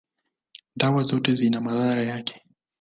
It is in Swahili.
dawa zote zina madhara yake.